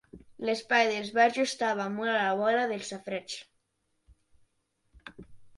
L'espai d'esbarjo estava molt a la vora del safareig.